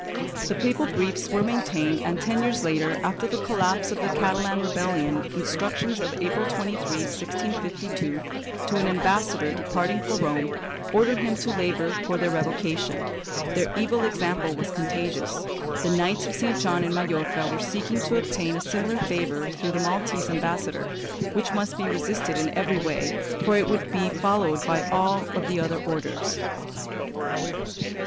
The papal briefs were maintained and ten years later, after the collapse of the Catalan rebellion, instruc tions of April 23, 1652, to an ambassador departing for Rome, 500 CONFLICTING JURISDICTIONS [BOOK II order him to labor for their revocation; their evil example was contagious; the Knights of St. John in Majorca were seeking to obtain a similar favor through the Maltese ambassador, which must be resisted in every way, for it would be followed by all the other Orders.